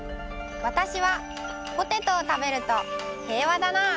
わたしはポテトをたべると平和だなぁ。